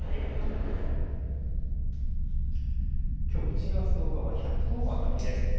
きょう１月１０日は１１０番の日です。